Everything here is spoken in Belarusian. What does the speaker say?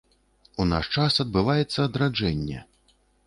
У наш час адбываецца адраджэнне.